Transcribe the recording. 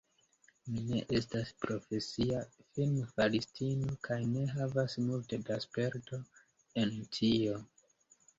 Mi ne estas profesia filmfaristino kaj ne havas multe da sperto en tio.